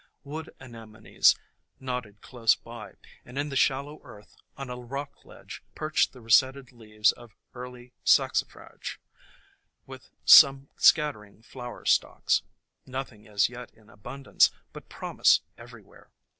Wood Anemones nodded close by, and in the shallow earth on a rock ledge perched the resetted leaves of early Saxi frage, with some scattering flower stalks. Nothing as yet in abundance, but promise everywhere.